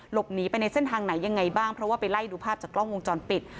หลบหนีไปในเส้นทางไหนยังไงบ้างเพราะว่าไปไล่ดูภาพจากกล้องวงจรปิด